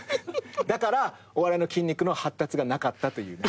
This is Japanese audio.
だからお笑いの筋肉の発達がなかったという。